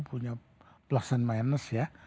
punya plus and minus ya